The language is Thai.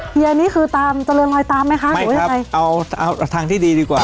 เป็นคนฮอตเปรี้ยว